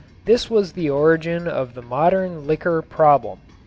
This was the origin of the modern liquor problem.